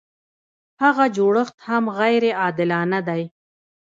هغه جوړښت هم غیر عادلانه دی.